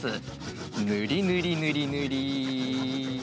ぬりぬりぬりぬり。